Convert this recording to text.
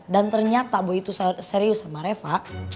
dan ternyata boy itu serius sama reva